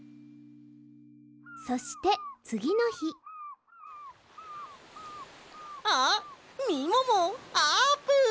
そしてつぎのひあっみももあーぷん！